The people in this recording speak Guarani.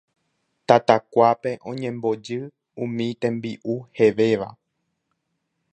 Tatakuápe oñembojy umi tembi'u hevéva